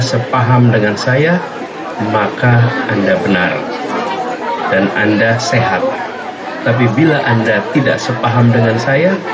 sepaham dengan saya maka anda benar dan anda sehat tapi bila anda tidak sepaham dengan saya